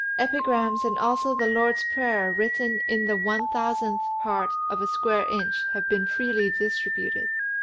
Epigrams and also the Lord's Prayer written in the one thousandth part of a square inch have been freely distributed.